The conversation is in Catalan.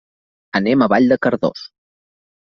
Anem a Vall de Cardós.